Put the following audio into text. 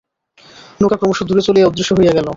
নৌকা ক্রমশ দূরে চলিয়া অদৃশ্য হইয়া গেল।